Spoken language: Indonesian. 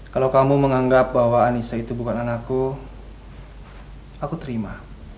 kalau kamu menganggap bahwa anissa itu bukan anakku aku terima